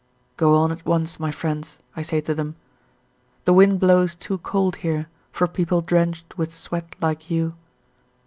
"Go on at once, my friends," I say to them, "the wind blows too cold here for people drenched with sweat like you."